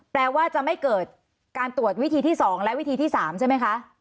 แปลว่าจะไม่เกิดการตรวจวิธีที่๒และวิธีที่๓ใช่ไหมคะ